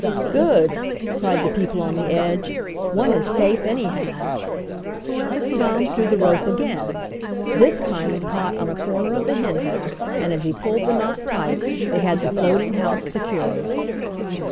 "Good!" cried the people on the edge. "One is safe, anyhow!" Tom threw the rope again. This time it caught on a corner of the henhouse, and as he pulled the knot tight they had the floating house secure.